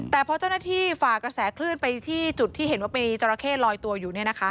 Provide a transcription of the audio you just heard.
แต่พอเจ้าหน้าที่ฝ่ากระแสคลื่นไปที่จุดที่เห็นว่ามีจราเข้ลอยตัวอยู่